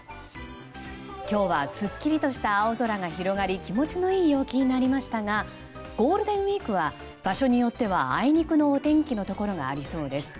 今日はスッキリとした青空が広がり気持ちの良い陽気になりましたがゴールデンウィークは場所によってはあいにくのお天気のところがありそうです。